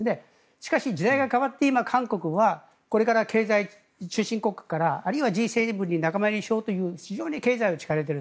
しかし時代が変わって韓国はこれから経済先進国家からあるいはＧ７に仲間入りしようとして非常に経済に力を入れている。